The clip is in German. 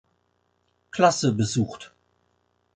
Klasse besucht.